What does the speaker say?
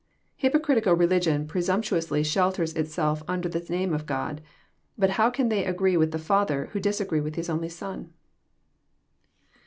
Hypocritical religion presumptuously shelters itself un der the name of God; but how can they agree with the Father, who disagree with His only Son